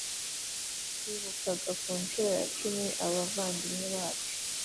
twibukaga kuncuro ya cumi abavandimwe bacu